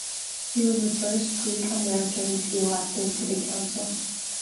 He was the first Greek-American to be elected to the council.